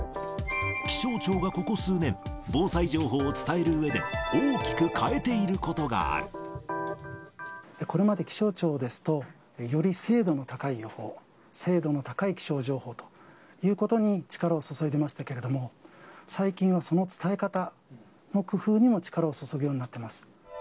気象庁がここ数年、防災情報を伝えるうえで、これまで気象庁ですと、より精度の高い予報、精度の高い気象情報ということに力を注いでましたけれども、最近はその伝え方の工夫にも力を注ぐようになってます。